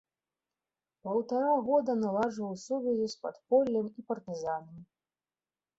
Паўтара года наладжваў сувязі з падполлем і партызанамі.